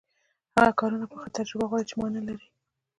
هغه کارونه پخه تجربه غواړي چې ما نلري.